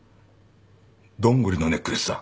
どんぐりのネックレスだ。